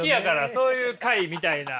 そういう会みたいな。